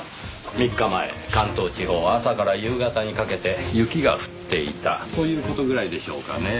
３日前関東地方は朝から夕方にかけて雪が降っていたという事ぐらいでしょうかねぇ。